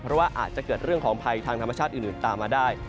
เพราะว่าอาจจะเกิดเรื่องของภัยทางธรรมชาติอื่นตามมาได้